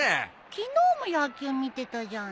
昨日も野球見てたじゃん。